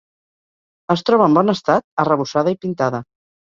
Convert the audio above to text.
Es troba en bon estat, arrebossada i pintada.